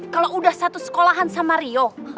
kalau udah satu sekolahan sama rio